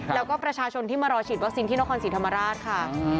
แล้วก็ประชาชนที่มารอฉีดวัคซีนที่นครศรีธรรมราชค่ะ